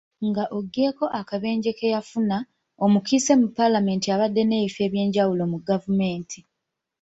Nga oggyeeko akabenje ke yafuna, omukiise mu paalamenti abadde n'ebifo ebyenjawulo mu gavumenti.